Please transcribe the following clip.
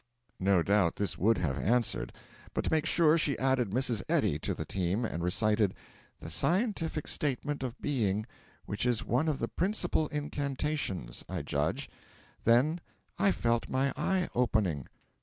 No doubt this would have answered; but, to make sure, she added Mrs. Eddy to the team and recited 'the Scientific Statement of Being,' which is one of the principal incantations, I judge. Then 'I felt my eye opening.'